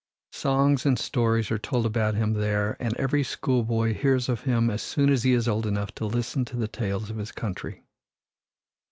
Songs and stories are told about him there and every school boy hears of him as soon as he is old enough to listen to the tales of his country.